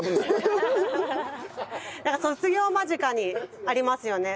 なんか卒業間近にありますよね。